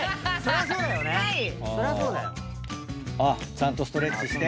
ちゃんとストレッチして。